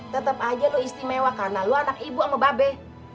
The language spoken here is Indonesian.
tetap aja lo istimewa karena lu anak ibu sama babe